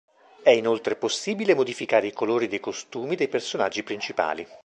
È inoltre possibile modificare i colori dei costumi dei personaggi principali.